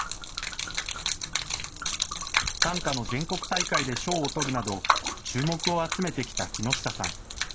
短歌の全国大会で賞を取るなど、注目を集めてきた木下さん。